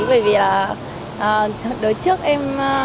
bởi vì là